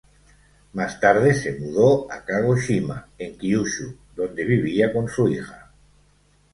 Más tarde se mudó a Kagoshima en Kyushu, donde vivía con su hija.